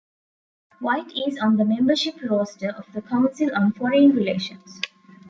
White is on the membership roster of the Council on Foreign Relations.